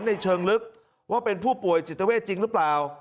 เชิงลึกว่าเป็นผู้ป่วยจิตเวทจริงหรือเปล่า